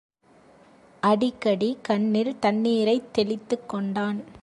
அடிக்கடி கண்ணில் தண்ணீரைத் தெளித்துக் கொண்டான்.